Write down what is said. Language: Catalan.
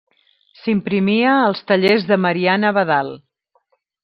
S’imprimia als tallers de Marian Abadal.